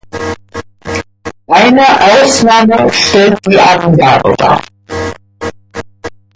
Eine Ausnahme stellt die Angabe dar.